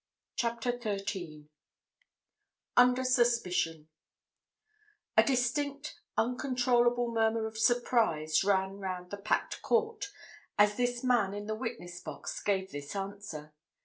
CHAPTER THIRTEEN UNDER SUSPICION A distinct, uncontrollable murmur of surprise ran round the packed court as this man in the witness box gave this answer.